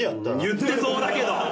言ってそうだけど。